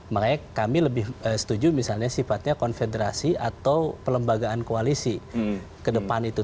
makanya kami lebih setuju misalnya sifatnya konfederasi atau pelembagaan koalisi ke depan itu